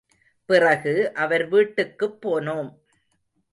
பிறகு அவர் வீட்டுக்குப் போனோம்.